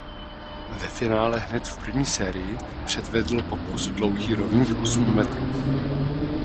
Ve finále hned v první sérii předvedl pokus dlouhý rovných osm metrů.